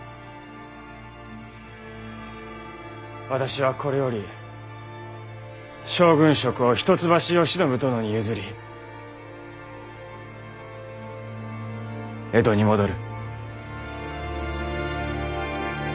私はこれより将軍職を一橋慶喜殿に譲り江戸に戻る。